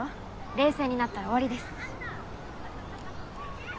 冷静になったら終わりです